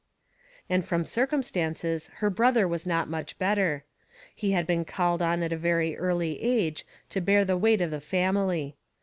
And from circumstances her brother was not much better. He had been called on at a very early age to bear the weight of the family.